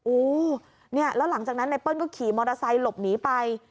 โอ้เนี่ยแล้วหลังจากนั้นไนเปิ้ลก็ขี่มอเตอร์ไซค์หลบหนีไป